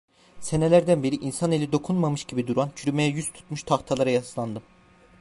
Senelerden beri insan eli dokunmamış gibi duran, çürümeye yüz tutmuş tahtalara yaslandım.